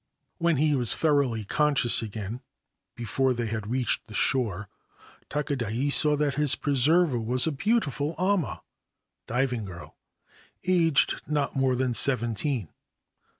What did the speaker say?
When he was thoroughly conscious again, before they had reached the shore, Takadai saw that his preserver was a beautiful ama (diving girl) aged not more than seventeen.